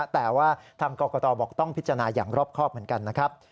แต่ว่าทางกรกตบอกต้องพิจารณาอย่างรอบครอบเหมือนกันนะครับ